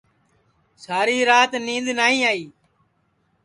ساری رات نید نائی آئی